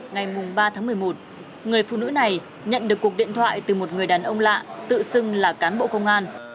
ngày ba tháng một mươi một người phụ nữ này nhận được cuộc điện thoại từ một người đàn ông lạ tự xưng là cán bộ công an